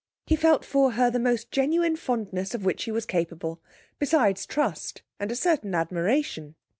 He felt for her the most genuine fondness of which he was capable, besides trust and a certain admiration.